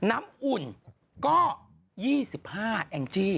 น้ำอุ่นก็๒๕แองจี้